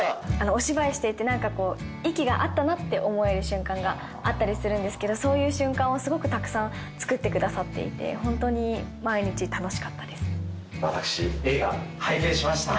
お芝居していて、なんかこう、息が合ったなって思える瞬間があったりするんですけど、そういう瞬間をすごくたくさん作ってくださっていて、私、映画拝見しました。